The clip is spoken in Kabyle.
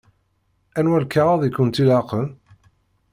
Anwa lkaɣeḍ i kent-ilaqen?